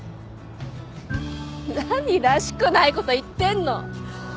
何らしくないこと言ってんの。